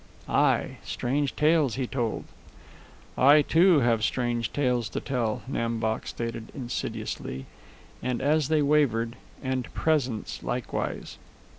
"Ay, strange tales he told." "I, too, have strange tales to tell," Nam Bok stated insidiously. And, as they wavered, "And presents likewise."